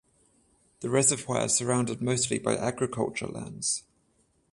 The reservoir is surrounded mostly by agriculture lands.